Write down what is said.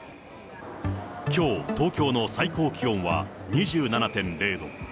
きょう、東京の最高気温は２７．０度。